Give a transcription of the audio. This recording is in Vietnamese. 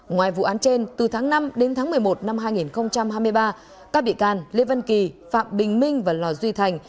ngoài vụ án trên từ tháng năm đến tháng một mươi một năm hai nghìn hai mươi ba các bị can lê văn kỳ phạm bình minh và lò duy thành